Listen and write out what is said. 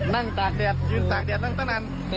ตากแดดยืนตากแดดนั่งตั้งนาน